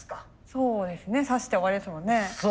そうですね刺して終わりですもんね。